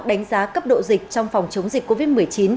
đánh giá cấp độ dịch trong phòng chống dịch covid một mươi chín